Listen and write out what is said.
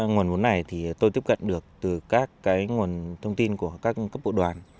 nguồn vốn này thì tôi tiếp cận được từ các nguồn thông tin của các cấp bộ đoàn